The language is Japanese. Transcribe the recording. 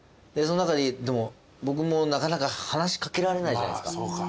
でも僕もなかなか話し掛けられないじゃないですか。